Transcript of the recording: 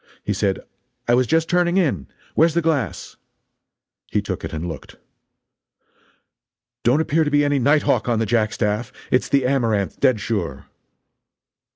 He said: "I was just turning in. Where's the glass" He took it and looked: "Don't appear to be any night hawk on the jack staff it's the Amaranth, dead sure!"